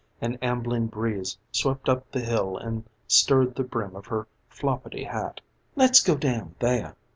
An ambling breeze swept up the hill and stirred the brim of her floppidy hat. "Let's go down there!"